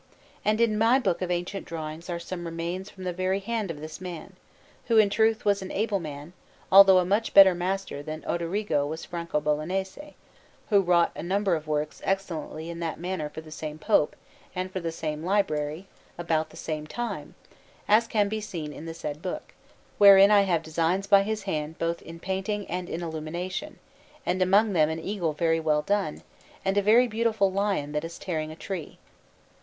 And in my book of ancient drawings are some remains from the very hand of this man, who in truth was an able man; although a much better master than Oderigi was Franco Bolognese, who wrought a number of works excellently in that manner for the same Pope and for the same library, about the same time, as can be seen in the said book, wherein I have designs by his hand both in painting and in illumination, and among them an eagle very well done, and a very beautiful lion that is tearing a tree.